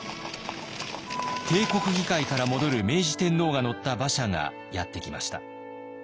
帝国議会から戻る明治天皇が乗った馬車がやって来ました。